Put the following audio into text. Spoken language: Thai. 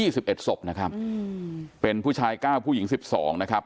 ๒๑ศพนะครับเป็นผู้ชาย๙ผู้หญิง๑๒นะครับ